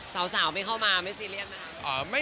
สาวไม่เข้ามาไม่ซีเรียสนะคะ